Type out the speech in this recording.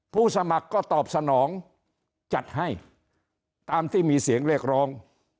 ผู้สมัครก็ตอบสนองจัดให้ตามที่มีเสียงเรียกร้อง